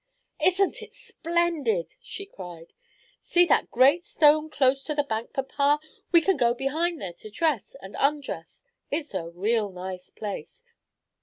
"Isn't it splendid!" she cried. "See that great stone close to the bank, papa. We can go behind there to dress and undress. It's a real nice place.